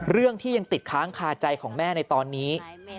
เรื่องที่ยังติดค้างคาใจของแม่ในตอนนี้